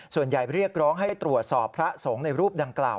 เรียกร้องให้ตรวจสอบพระสงฆ์ในรูปดังกล่าว